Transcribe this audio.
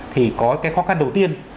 thì có cái khó khăn đầu tiên